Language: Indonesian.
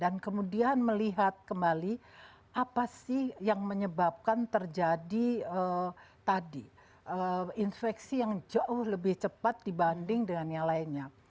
dan kemudian melihat kembali apa sih yang menyebabkan terjadi tadi infeksi yang jauh lebih cepat dibanding dengan yang lainnya